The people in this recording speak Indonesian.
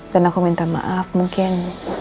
dan aku minta maaf mungkin